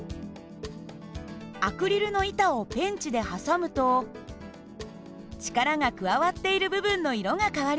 アクリルの板をペンチで挟むと力が加わっている部分の色が変わりました。